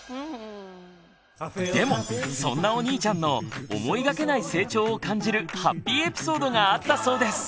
でもそんなお兄ちゃんの「思いがけない成長」を感じるハッピーエピソードがあったそうです。